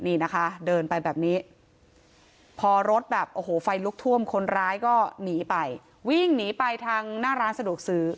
นี่นะคะเดินไปแบบนี้พอรถแบบโอ้โหไฟลุกท่วมคนร้ายก็หนีไปวิ่งหนีไปทางหน้าร้านสะดวกซื้อ